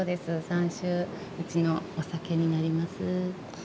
３種うちのお酒になります。